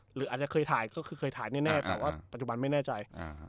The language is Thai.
หรืออาจจะเคยถ่ายก็คือเคยถ่ายแน่แต่ว่าปัจจุบันไม่แน่ใจ